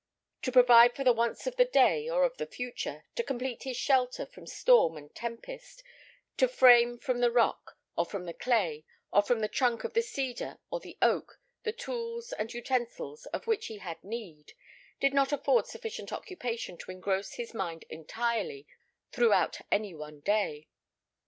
To provide for the wants of the day or of the future, to complete his shelter from storm and tempest, to frame from the rock, or from the clay, or from the trunk of the cedar, or the oak, the tools and utensils of which he had need, did not afford sufficient occupation to engross his mind entirely throughout any one day.